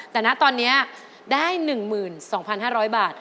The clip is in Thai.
แต่นะตอนนี้ได้๑๒๕๐๐บาท